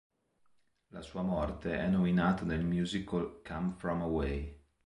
La sua morte e nominata nel musical "Come From Away".